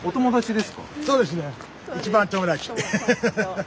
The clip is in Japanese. そうですね。